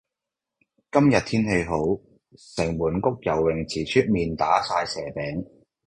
今日天氣好，城門谷游泳池出面打晒蛇餅。